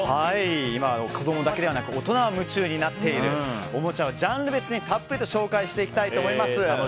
今、子供だけでなく大人も夢中になっているおもちゃをジャンル別にたっぷり紹介していきたいと思います。